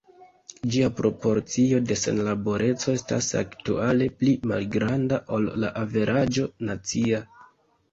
Ĝia proporcio de senlaboreco estas aktuale pli malgranda ol la averaĝo nacia.